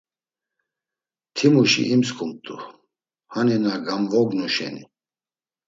Timuşi imsǩumt̆u hani na gamvognu şeni.